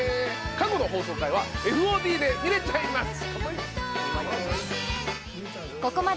過去の放送回はＦＯＤで見れちゃいます。